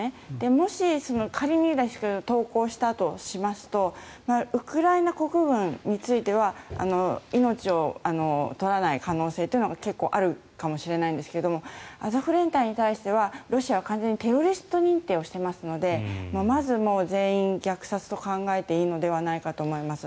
もし仮にですが投降したとするとウクライナ国軍については命を取らない可能性というのが結構あるかもしれないんですがアゾフ連隊に対してはロシアは完全にテロリスト認定をしていますのでまず全員虐殺と考えていいのではないかと思います。